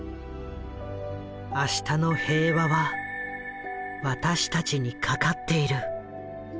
「明日の平和は私たちにかかっている」。